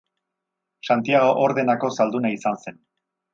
Santiago Ordenako Zalduna izan zen.